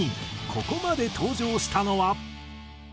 ここまで登場したのは。